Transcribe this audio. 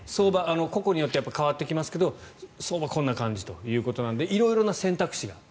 個々によって変わってきますけど相場はこんな感じということなので色々な選択肢がある。